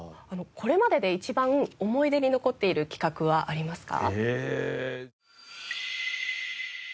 これまでで一番思い出に残っている企画はありますか？